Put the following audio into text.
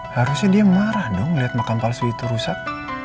harusnya dia marah dong liat makan palsu itu rusak